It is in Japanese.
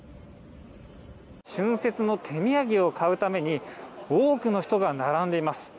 春節の手土産を買うために、多くの人が並んでいます。